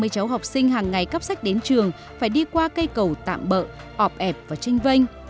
ba mươi cháu học sinh hàng ngày cắp sách đến trường phải đi qua cây cầu tạm bỡ ọp hẹp và tranh vanh